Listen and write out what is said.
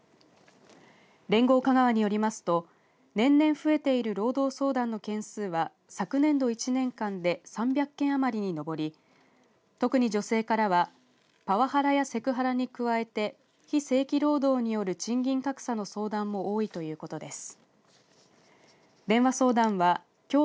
連合香川によりますと年々増えている労働相談の件数は昨年度１年間で３００件余りに上り特に女性からはパワハラやセクハラに加えて非正規労働による賃金格差の相談も多いということです。